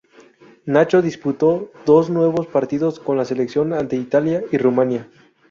Nacho disputó dos nuevos partidos con la selección ante Italia y Rumanía.